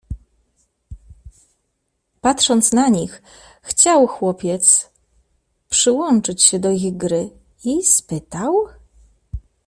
"Patrząc na nich, chciał chłopiec przyłączyć się do ich gry i spytał?"